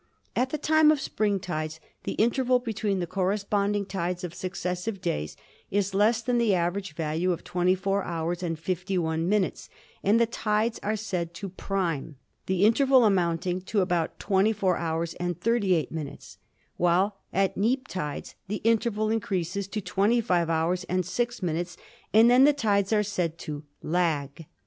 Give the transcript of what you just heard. At the time of "spring tides" the interval between the corresponding tides of successive days is less than the average value of 24 hours and 51 minutes and the tides are said to "prime," the interval amounting to about 24 hours and 38 minutes, while at "neap tides" the interval increases to 25 hours and 6 minutes, and then the tides are said to "lag."